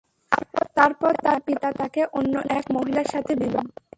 তারপর তার পিতা তাকে অন্য এক মহিলার সাথে বিবাহ দেন।